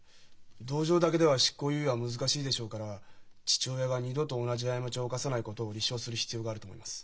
同情だけでは執行猶予は難しいでしょうから父親が二度と同じ過ちを犯さないことを立証する必要があると思います。